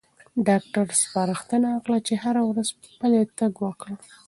ډاکټر سپارښتنه وکړه چې هره ورځ پلی تګ وکړم.